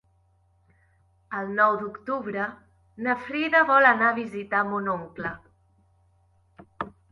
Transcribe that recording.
El nou d'octubre na Frida vol anar a visitar mon oncle.